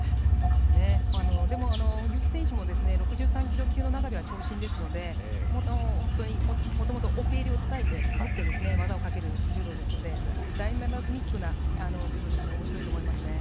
でも、結城選手も６３キロ級の中では長身ですのでもともと奥襟を持って技をかける柔道ですのでダイナミックな柔道でおもしろいと思いますね。